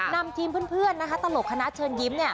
นำทีมเพื่อนนะคะตลกคณะเชิญยิ้ม